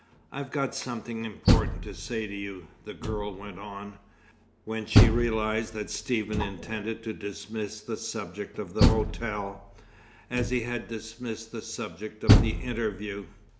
"I've got something important to say to you," the girl went on, when she realized that Stephen intended to dismiss the subject of the hotel, as he had dismissed the subject of the interview.